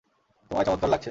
তোমায় চমৎকার লাগছে।